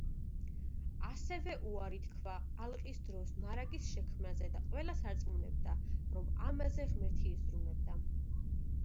ასევე უარი თქვა ალყის დროს მარაგის შექმნაზე და ყველას არწმუნებდა, რომ ამაზე ღმერთი იზრუნებდა.